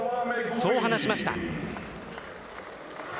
そう話しました。